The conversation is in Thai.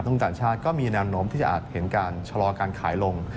ต่างชาติก็มีแนวโน้มที่จะอาจเห็นการชะลอการขายลง